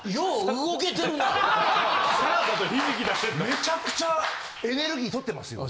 めちゃくちゃエネルギーとってますよ。